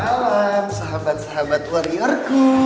selamat malam sahabat sahabat wariorku